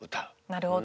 なるほど。